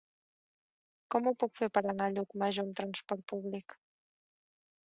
Com ho puc fer per anar a Llucmajor amb transport públic?